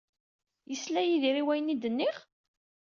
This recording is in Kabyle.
Yesla Yidir i wayen ay d-nniɣ?